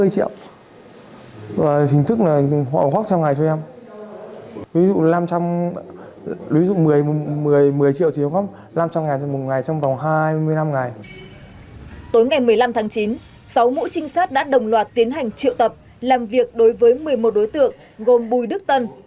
tối ngày một mươi năm tháng chín sáu mũ trinh sát đã đồng loạt tiến hành triệu tập làm việc đối với một mươi một đối tượng gồm bùi đức tân